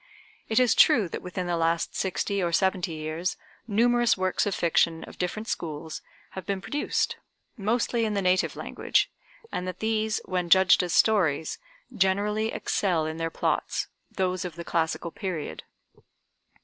It is true that within the last sixty or seventy years numerous works of fiction of different schools have been produced, mostly in the native language, and that these, when judged as stories, generally excel in their plots those of the classical period.